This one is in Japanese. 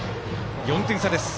４点差です。